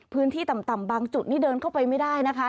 พื้นที่ต่ำบางจุดนี่เดินเข้าไปไม่ได้นะคะ